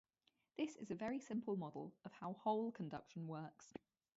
This is a very simple model of how hole conduction works.